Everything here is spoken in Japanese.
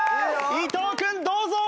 伊藤君どうぞ！